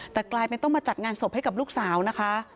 แต่กลายเป็นต้องมาจัดงานศพให้กับลูกสาวนะคะ